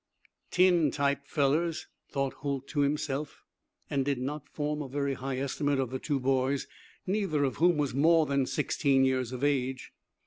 "Tin type fellers," thought Holt to himself, and did not form a very high estimate of the two boys, neither of whom was more than sixteen years of age.